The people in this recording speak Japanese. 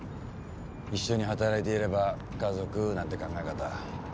一緒に働いていれば家族なんて考え方。